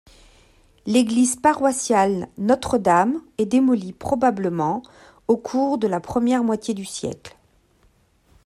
L'église paroissiale Notre-Dame est démolie, probablement au cours de la première moitié du siècle.